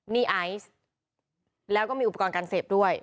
นี่ไอซ์แล้วก็มีอุปกรณ์การเสพด้วย